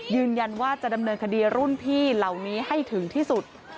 ยืนยันว่าจะดำเนินคดีรุ่นพี่เหล่านี้ให้ถึงที่สุด